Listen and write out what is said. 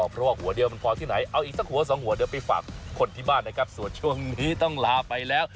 เพราะว่าหัวเดียวมันพอที่ไหนเอาอีกสักหัวสองหัวเดี๋ยวไปฝากคนที่บ้านนะครับส่วนช่วงนี้ต้องลาไปแล้ว